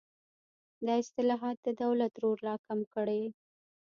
دا اصلاحات د دولت رول راکم کړي.